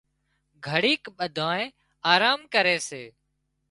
گھڙيڪ ٻڌانئين آرام ڪري سي